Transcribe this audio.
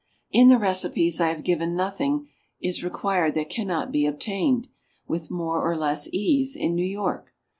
In the recipes I have given nothing is required that cannot be obtained, with more or less ease, in New York.